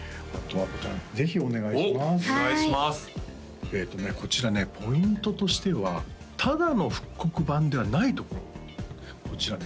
はいこちらねポイントとしてはただの復刻版ではないところこちらね